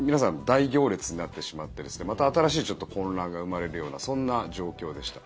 大行列になってしまってまた新しい混乱が生まれるようなそんな状況でした。